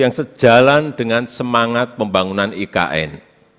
yang sejalan dengan semangat pembangunan ikn